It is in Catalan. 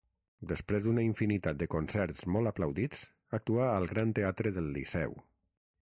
Després d'una infinitat de concerts molt aplaudits, actuà al Gran Teatre del Liceu.